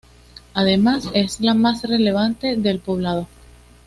Además es la más relevante del Poblado.